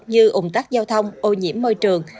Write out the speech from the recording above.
như ủng tắc giao thông ô nhiễm môi trường